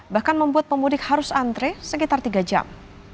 bahkan membuat pemudik harus antre sekitar tiga jam